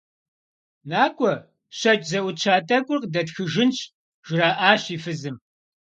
НакӀуэ, щэкӀ зэӀутща тӀэкӀур къыдэтхыжынщ, - жриӏащ и фызым.